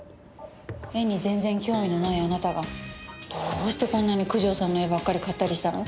絵に全然興味のないあなたがどうしてこんなに九条さんの絵ばっかり買ったりしたの？